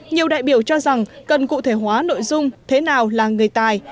nhiều đại biểu cho rằng cần cụ thể hóa nội dung thế nào là người tài